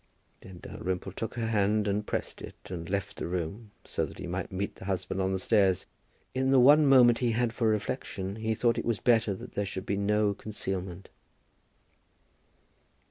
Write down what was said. Then Dalrymple took her hand and pressed it, and left the room, so that he might meet the husband on the stairs. In the one moment that he had for reflection he thought it was better that there should be no concealment.